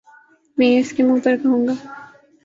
میں یہ اسکے منہ پر کہوں گا